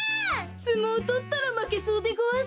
すもうとったらまけそうでごわす。